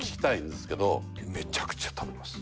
めちゃくちゃ食べます。